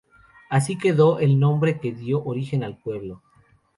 Así quedó el nombre que dio origen al pueblo.